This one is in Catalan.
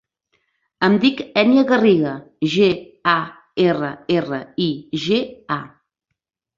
Em dic Ènia Garriga: ge, a, erra, erra, i, ge, a.